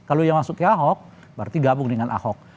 kalau yang masuk ke ahok berarti gabung dengan ahok